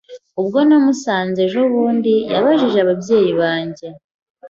Ubwo namusanze ejobundi yabajije ababyeyi banjye.